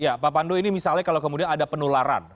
ya pak pandu ini misalnya kalau kemudian ada penularan